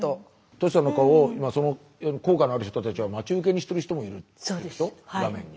トシさんの顔を今その効果のある人たちは待ち受けにしてる人もいるんでしょ画面に。